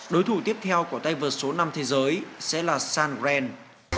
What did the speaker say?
đối thủ tiếp theo của tay vợt số năm thế giới sẽ là sean grant